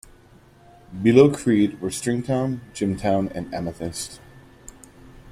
Below Creede were Stringtown, Jimtown, and Amethyst.